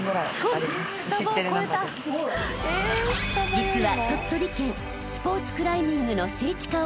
［実は］